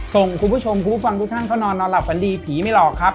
ส่งคุณผู้ชมคุณผู้ฟังทุกท่านเข้านอนนอนหลับฝันดีผีไม่หลอกครับ